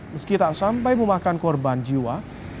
meski tak sampai memakan korban jiwa